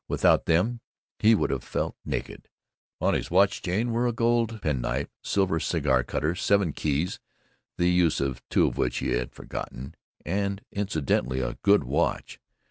Without them he would have felt naked. On his watch chain were a gold penknife, silver cigar cutter, seven keys (the use of two of which he had forgotten), and incidentally a good watch.